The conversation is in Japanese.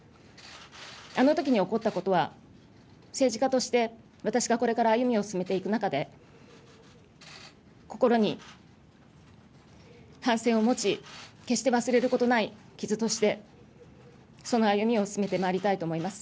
あのときに起こったことは、政治家として私がこれから歩みを進めていく中で、心に反省を持ち、決して忘れることない傷として、その歩みを進めてまいりたいと思います。